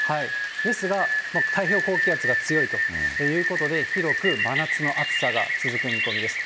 ですが、太平洋高気圧が強いということで、広く真夏の暑さが続く見込みです。